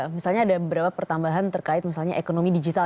misalnya ada beberapa pertambahan terkait misalnya ekonomi digital